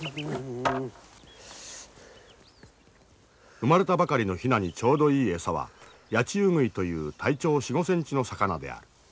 生まれたばかりのヒナにちょうどいい餌はヤチウグイという体長４５ｃｍの魚である。